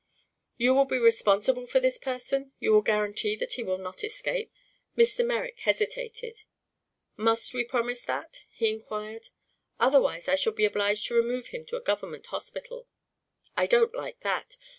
"You will be responsible for his person? You will guarantee that he will not escape?" Mr. Merrick hesitated. "Must we promise that?" he inquired. "Otherwise I shall be obliged to remove him to a government hospital." "I don't like that.